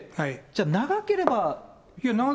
じゃあ長ければ？